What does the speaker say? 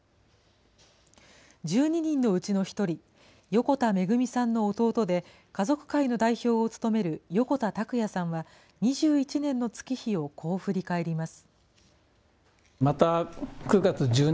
１２人のうちの１人、横田めぐみさんの弟で家族会の代表を務める横田拓也さんは、２１年の月日をこう振り返ります。